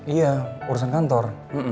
iya urusan kantor